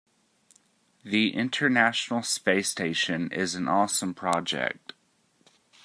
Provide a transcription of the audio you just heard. The international space station is an awesome project.